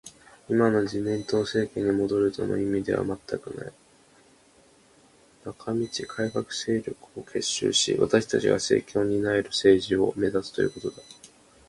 今の自民党政権に戻るとの意味では全くない。中道改革勢力を結集し、私たちが政権を担える政治を目指すということだ